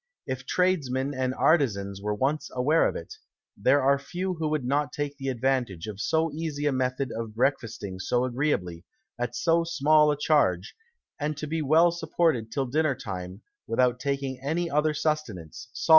If Tradesmen and Artizans were once aware of it, there are few who would not take the Advantage of so easy a Method of Breakfasting so agreeably, at so small a Charge, and to be well supported till Dinner time, without taking any other Sustenance, Solid or Liquid.